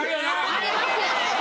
あります。